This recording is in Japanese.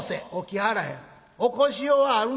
「起こしようがあるねん。